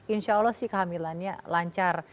insya allah sih kehamilannya lancar